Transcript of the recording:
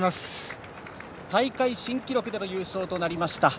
大会新記録での優勝となりました。